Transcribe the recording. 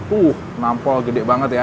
uh nampol gede banget ya